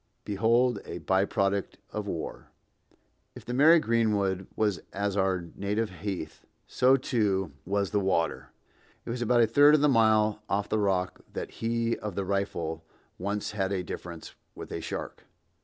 Behold a by product of war. If the merry greenwood was as our native heath, so too was the water. It was about a third of a mile off the Rock that he of the rifle once had a difference with a shark.